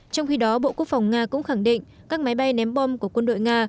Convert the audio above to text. trong khi đó bộ quốc phòng nga cũng khẳng định các máy bay ném bom của quân đội nga